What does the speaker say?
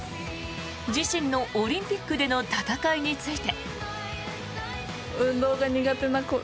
自身のオリンピックでの戦いについて。